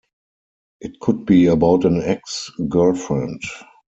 It could be about an ex-girlfriend.